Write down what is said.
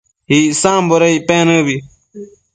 Icsamboda icpec nëbi?